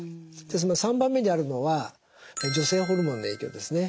その３番目にあるのは女性ホルモンの影響ですね。